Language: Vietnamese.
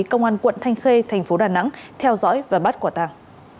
công an quận thanh khê thành phố đà nẵng theo dõi và bắt quả tàng